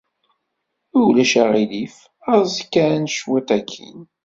Ma ulac uɣilif, aẓ kan cwiṭ akkin.